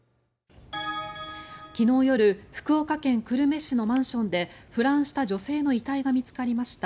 昨日夜福岡県久留米市のマンションで腐乱した女性の遺体が見つかりました。